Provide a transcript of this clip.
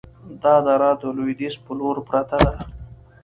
دا دره د لویدیځ په لوري پرته ده،